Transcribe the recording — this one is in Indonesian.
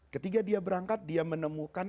ketika dia berangkat dia menemukan